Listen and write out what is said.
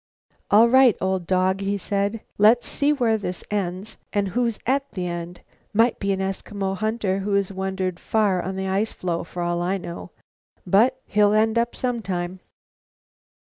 "All right, old dog," he said, "let's see where this ends, and who's at the end. Might be an Eskimo hunter who has wandered far on the ice floe, for all I know; but he'll end up sometime."